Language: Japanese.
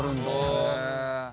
へえ。